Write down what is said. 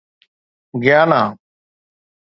Guyana